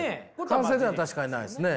完成では確かにないですね。